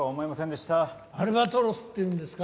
アルバトロスっていうんですか？